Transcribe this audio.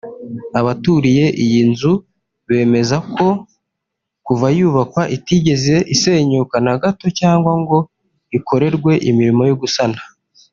Abaturiye iyi nzu bemeza ko kuva yubakwa itigeze isenyuka na gato cyangwa ngo ikorerwe imirimo yo gusana